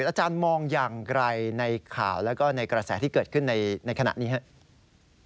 อาจารย์มองอย่างไรในข่าวแล้วก็ในกระแสที่เกิดขึ้นในขณะนี้ครับ